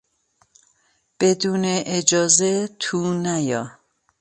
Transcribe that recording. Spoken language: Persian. بدون اجازه تو نیا!